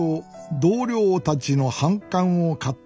同僚たちの反感を買ったこと。